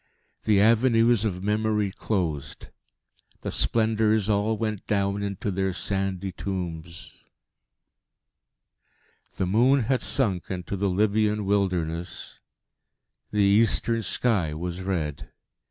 The avenues of Memory closed; the Splendours all went down into their sandy tombs.... The moon had sunk into the Libyan wilderness; the eastern sky was red.